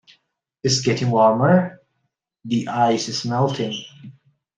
It's getting warmer; the ice is melting.